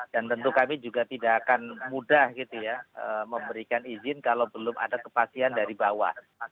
dan tentu kami juga tidak akan mudah gitu ya memberikan izin kalau belum ada kepatian dari bawah